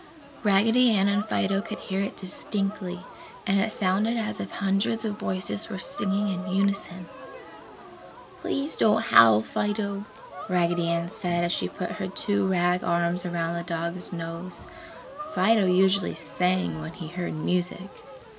Raggedy Ann and Fido could hear it distinctly and it sounded as if hundreds of voices were singing in unison. "Please don't howl, Fido," Raggedy Ann said as she put her two rag arms around the dog's nose. Fido usually "sang" when he heard music.